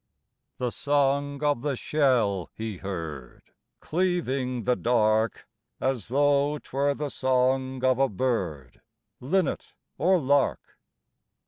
The song of the shell he heard Cleaving the dark, As though 'twere the song of a bird, Linnet or lark.